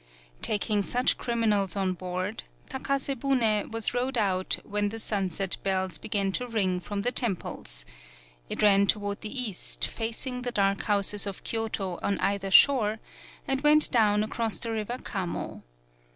Taking such criminals on board, Takase bune was rowed out when the 4 TAKASE BUNE sunset bells began to ring from the temples; it ran toward the east, facing the dark houses of Kyoto on either shore, and went down across the river Kamo.